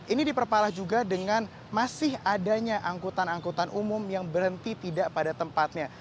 ini diperparah juga dengan masih adanya angkutan angkutan umum yang berhenti tidak pada tempatnya